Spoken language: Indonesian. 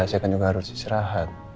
saya kan juga harus istirahat